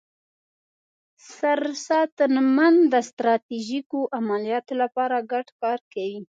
سرساتنمن د ستراتیژیکو عملیاتو لپاره ګډ کار کوي.